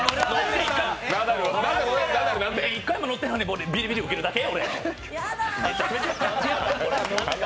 １回も乗ってないのにビリビリ受けるだけ？